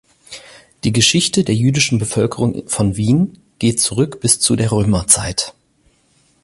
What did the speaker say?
Die Geschichte der jüdischen Bevölkerung von Wien geht zurück bis zu der Römerzeit.